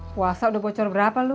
puasa udah bocor berapa lu